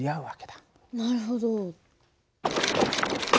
なるほど。